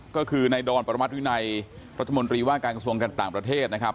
ก็คือในดอนปรมัติวินัยรัฐมนตรีว่าการกระทรวงการต่างประเทศนะครับ